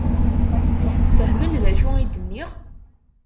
Fehmen d acu i d-nniɣ?